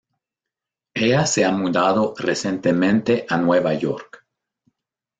Ella se ha mudado recientemente a Nueva York.